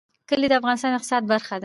کلي د افغانستان د اقتصاد برخه ده.